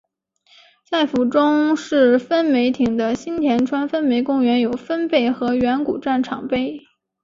在府中市分梅町的新田川分梅公园有分倍河原古战场碑。